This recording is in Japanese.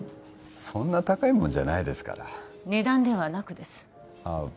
そんな高いもんじゃないですから値段ではなくですああ